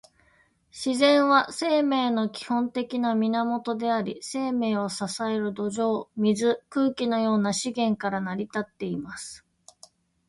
自然は、生命の基本的な源であり、生命を支える土壌、水、空気のような資源から成り立っています。